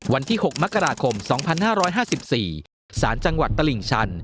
วันที่๖มกราคม๒๕๕๔สารจังหวัดตลิ่งชัน